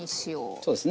そうですね。